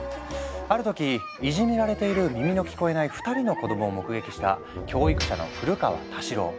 ある時いじめられている耳の聞こえない２人の子どもを目撃した教育者の古河太四郎。